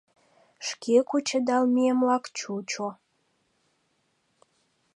Шке кучедалмемлак чучо.